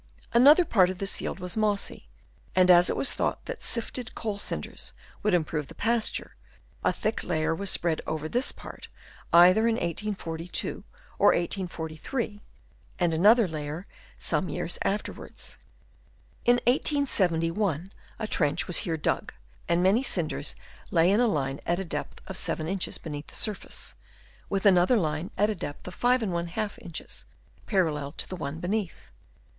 Another part of this same field was mossy, and as it was thought that sifted coal cinders would improve the pasture, a thick layer was spread over this part either in 1842 or 1843, and another layer some years afterwards. In 1871 a trench was here dug, and many cinders lay in a line at a depth of 7 inches beneath the surface, with another line at a depth of 5^ inches parallel to the one beneath.